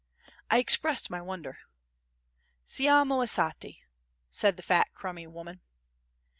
I expressed my wonder. "Siamo esatti," said the fat, crumby woman.